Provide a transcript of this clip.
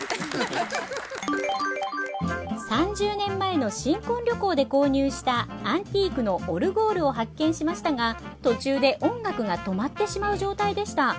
３０年前の新婚旅行で購入したアンティークのオルゴールを発見しましたが途中で音楽が止まってしまう状態でした。